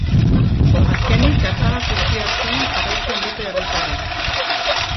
Azkenik gatzagak ustiatzen jarraitzen dute herritarrek.